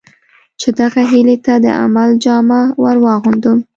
چې دغه هیلې ته د عمل جامه ور واغوندم.